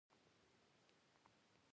خو د غم نه خوښۍ ته سل دښتې دي.